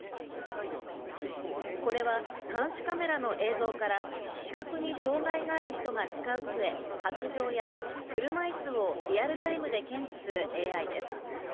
これは監視カメラの映像から、視覚に障害がある人が使うつえ、白じょうや、車いすをリアルタイムで検知するＡＩです。